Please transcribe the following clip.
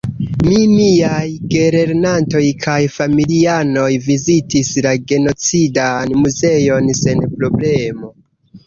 Mi, miaj gelernantoj kaj familianoj vizitis la "Genocidan Muzeon" sen problemo.